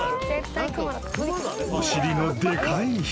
［お尻のでかい羊］